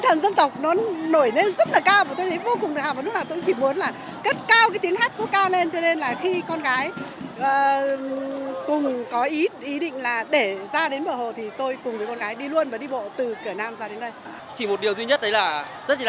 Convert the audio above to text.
hãy đăng kí cho kênh lalaschool để không bỏ lỡ những video hấp dẫn